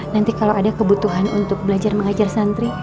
nanti kalau ada kebutuhan untuk belajar mengajar santri